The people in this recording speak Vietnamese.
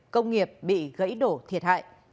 công nghiệp bị gãy đổ thiệt hại